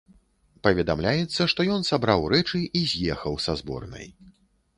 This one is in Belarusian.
Паведамляецца, што ён сабраў рэчы і з'ехаў са зборнай.